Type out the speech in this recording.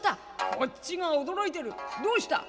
「こっちが驚いてるどうした？」。